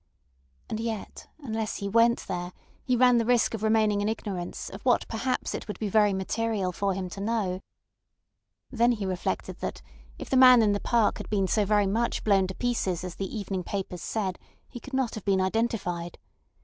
And yet unless he went there he ran the risk of remaining in ignorance of what perhaps it would be very material for him to know. Then he reflected that, if the man in the park had been so very much blown to pieces as the evening papers said, he could not have been identified.